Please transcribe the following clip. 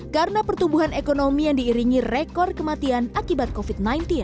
karena pertumbuhan ekonomi yang diiringi rekor kematian akibat covid sembilan belas